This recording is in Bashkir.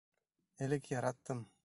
Элек яраттым.